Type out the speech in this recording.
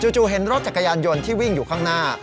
จู่เห็นรถจักรยานยนต์ที่วิ่งอยู่ข้างหน้า